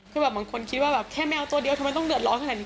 คือแบบบางคนคิดว่าแบบแค่แมวตัวเดียวทำไมต้องเดือดร้อนขนาดนี้